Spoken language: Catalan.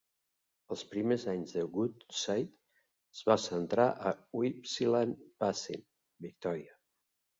Els primers anys de Woodside es va centrar a Gippsland Basin, Victoria.